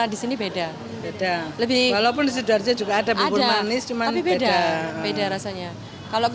disini beda beda lebih walaupun sudah juga ada bubur manis cuman beda beda rasanya kalau ke